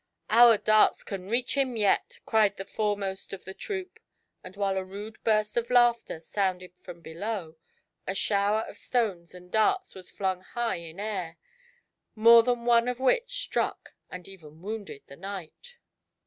" Our darts can reach him yet," cried the foremost of the troop; and while a rude burst of laughter sounded from below, a shower of stones and darts was flung high in air, more than one of which struck, and even wounded the knight.